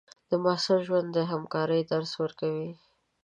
د محصل ژوند د همکارۍ درس ورکوي.